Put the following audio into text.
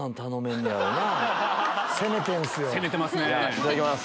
いただきます。